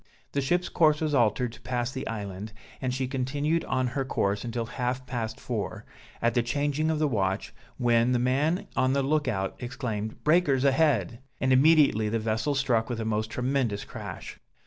The ship's course was altered to pass the island, and she continued on her course until half past four, at the changing of the watch, when the man on the look out exclaimed, breakers ahead! and immediately the vessel struck with a most tremendous crash.